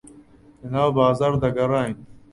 لەناو بازاڕ دەگەڕاین.